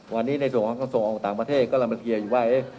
วันนี้ในส่วนของส่งออกต่างประเทศกำลังมาเคลียร์อยู่ว่า